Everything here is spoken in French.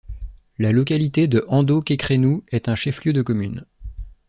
La localité de Ando-Kékrénou est un chef-lieu de commune.